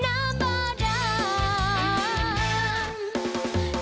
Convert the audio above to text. น้ำบาดาล